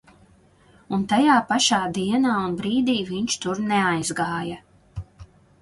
Un tā tajā pašā dienā un brīdī viņš tur neaizgāja.